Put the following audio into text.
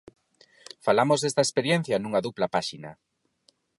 Falamos desta experiencia nunha dupla páxina.